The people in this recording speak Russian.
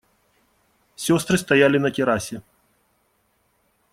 Сестры стояли на террасе.